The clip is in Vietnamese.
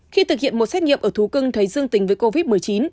khi thực hiện một xét nghiệm ở thú cưng thấy dương tính với covid một mươi chín